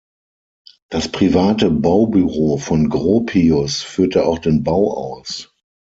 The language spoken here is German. Das private Baubüro von Gropius führte auch den Bau aus.